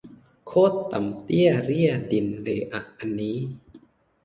โคตรต่ำเตี้ยเรี่ยดินเลยอะอันนี้